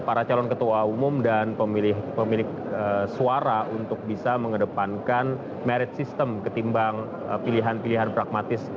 para calon ketua umum dan pemilik suara untuk bisa mengedepankan merit system ketimbang pilihan pilihan pragmatis